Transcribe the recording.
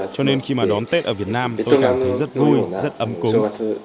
cho nên khi mà đón tết ở việt nam tôi cảm thấy rất vui rất ấm cúng